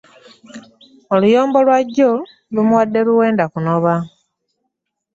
Oluyombo lwa jjo lwamuwadde luwenda kunoba.